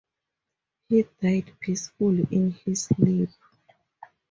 He died peacefully in his sleep.